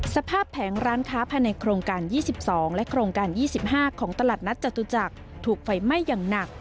แผงร้านค้าภายในโครงการ๒๒และโครงการ๒๕ของตลาดนัดจตุจักรถูกไฟไหม้อย่างหนัก